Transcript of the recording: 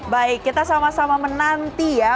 baik kita sama sama menanti ya